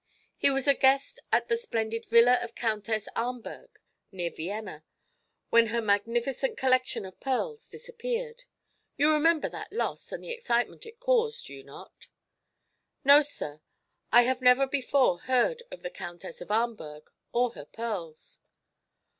He was a guest at the splendid villa of Countess Ahmberg, near Vienna, when her magnificent collection of pearls disappeared. You remember that loss, and the excitement it caused, do you not?" "No, sir; I have never before heard of the Countess of Ahmberg or her pearls."